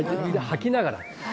吐きながら。